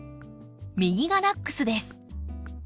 右がラックスです。